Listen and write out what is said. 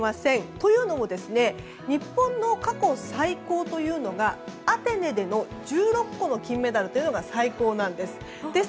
というのも日本の過去最高というのがアテネでの１６個の金メダルというのが最高なんです。